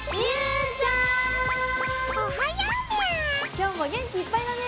今日も元気いっぱいだね！